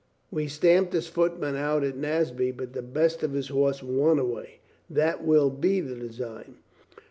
We stamped his footmen out at Naseby, but the best of his horse won away. That will be the design.